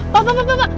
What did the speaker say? bapak bapak bapak